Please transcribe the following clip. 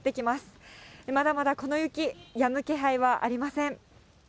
まだまだこの雪、やむ気配はありません。